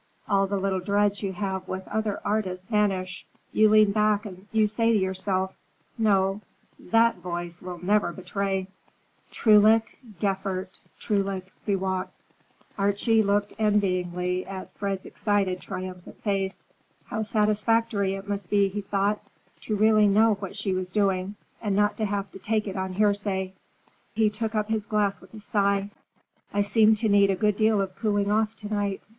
All the little dreads you have with other artists vanish. You lean back and you say to yourself, 'No, that voice will never betray.' Treulich geführt, treulich bewacht." Archie looked envyingly at Fred's excited, triumphant face. How satisfactory it must be, he thought, to really know what she was doing and not to have to take it on hearsay. He took up his glass with a sigh. "I seem to need a good deal of cooling off to night.